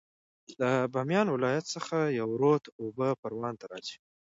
د بامیان ولایت څخه یو رود اوبه پروان ته راځي